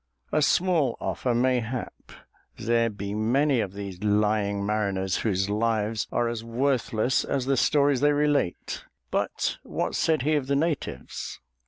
"A small offer, mayhap. There be many of these lying mariners whose lives are as worthless as the stories they relate. But what said he of the natives?"